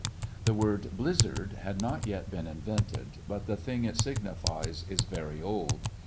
The word "blizzard" had not yet been invented, but the thing it signi fies is very old.